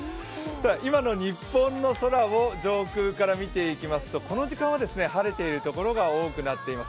今の日本の空を上空から見ていきますとこの時間は晴れている所が多くなっています。